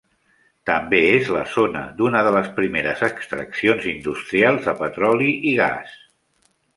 També és la zona d'una de les primeres extraccions industrials de petroli i gas.